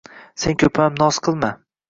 Sen ko‘pam noz qilma.